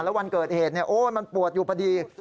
แล้ววันเกิดเหตุมันปวดอยู่พอดี